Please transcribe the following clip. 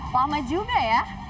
lama juga ya